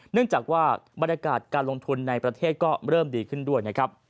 เนื่องจากว่าบรรยากาศการลงทุนในประเทศก็เริ่มดีขึ้นด้วยนะครับ